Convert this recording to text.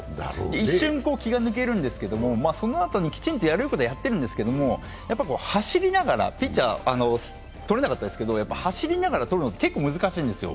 一瞬気が抜けるんですけれども、そのあとにきちんとやることはやってるんですけど、走りながら、ピッチャーとれなかったですけど走りながらとるのって結構難しいんですよ。